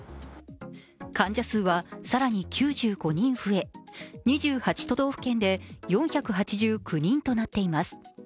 患者数は更に９５人増え、２８都道府県で４８９人となっています。